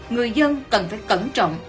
người dân cần phải cẩn trọng